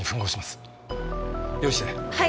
はい！